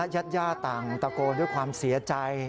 ญาติญาติต่างตะโกนด้วยความเสียใจ